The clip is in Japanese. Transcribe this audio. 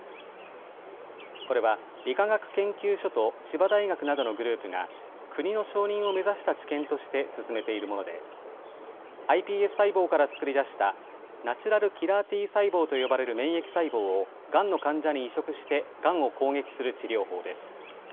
これは理化学研究所と千葉大学などのグループが国の承認を目指した治験として進めているものでｉＰＳ細胞から作り出したＮＫＴ細胞と呼ばれる免疫細胞をがんの患者に移植してがんを攻撃する治療法です。